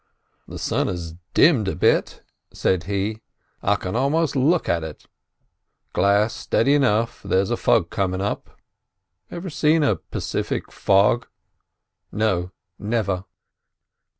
"The sun has dimmed a bit," said he; "I can a'most look at it. Glass steady enough—there's a fog coming up—ever seen a Pacific fog?" "No, never."